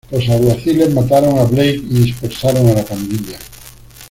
Los alguaciles mataron a Blake y dispersaron a la pandilla.